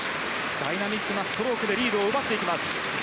ダイナミックなストロークでリードを奪っていきます。